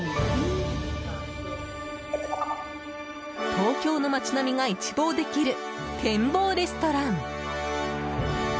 東京の街並みが一望できる展望レストラン。